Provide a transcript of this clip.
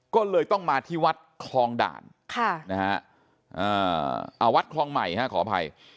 ก็เลยต้องมาที่วัดคลองด่านค่ะนะฮะอ่าวัดคลองใหม่ฮะขออภัย